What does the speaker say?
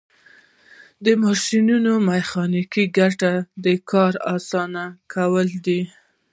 د ماشینونو میخانیکي ګټه د کار اسانه کول دي.